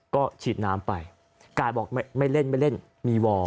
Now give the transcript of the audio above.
ก็ฉีดน้ำไปกาดบอกไม่เล่นมีวอร์